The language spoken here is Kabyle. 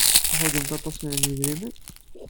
Teḥwajemt aṭas n yidrimen?